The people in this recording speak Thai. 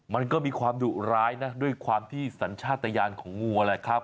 มันก็มีความดุร้ายนะด้วยความที่สัญชาติยานของงัวแหละครับ